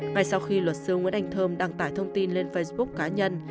ngay sau khi luật sư nguyễn anh thơm đăng tải thông tin lên facebook cá nhân